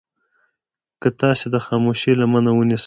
که تاسې د خاموشي لمنه ونيسئ.